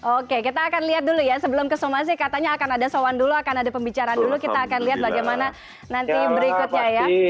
oke kita akan lihat dulu ya sebelum ke somasi katanya akan ada soan dulu akan ada pembicaraan dulu kita akan lihat bagaimana nanti berikutnya ya